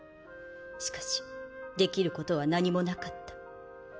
しかしできることは何もなかった。